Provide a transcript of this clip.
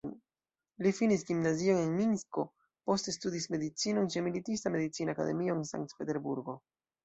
Li finis gimnazion en Minsko, poste studis medicinon ĉe Militista-Medicina Akademio en Sankt-Peterburgo.